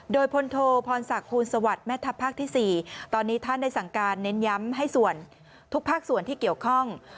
โดยพลโทพรศักดิ์ภูลสวัสดิ์แม่ทัพภาคที่๔ตอนนี้ท่านได้สั่งการเน้นย้ำให้ส่วนทุกภาคส่วนที่เกี่ยวข้อง